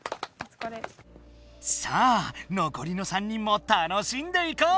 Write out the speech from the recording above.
さあのこりのさんにんも楽しんでいこう！